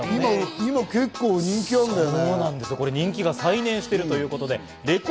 今、人気あるんだよね。